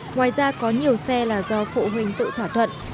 ngoài ra có nhiều xe là do phụ huynh tự thỏa thuận